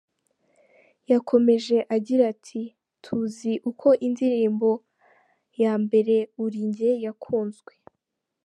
Yakomeje agira ati “Tuzi uko indirimbo ya mbere Uri Njye yakunzwe.